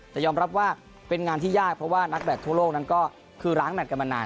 แต่ยอมรับว่าเป็นงานที่ยากเพราะว่านักแบตทั่วโลกนั้นก็คือล้างแมทกันมานาน